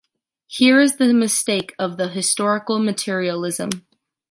Here is the mistake of the historical materialism.